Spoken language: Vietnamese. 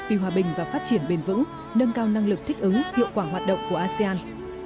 vì hòa bình và phát triển bền vững nâng cao năng lực thích ứng hiệu quả hoạt động của asean